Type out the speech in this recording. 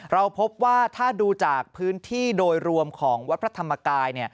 เราพบว่าถ้าดูจากพื้นที่โดยรวมของวัดพระธรรมกาย